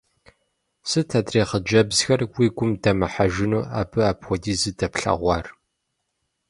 Сыт адрей хъыджэбзхэр уи гум дэмыхьэжыну, абы апхуэдизу дэплъэгъуар?